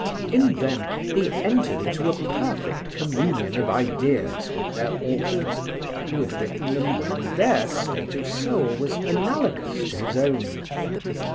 In them he entered into a perfect communion of ideas with their authors who had written them when their state of soul was analogous to his own.